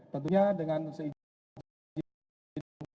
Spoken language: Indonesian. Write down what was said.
tentunya dengan seinginan